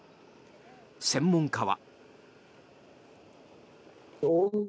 専門家は。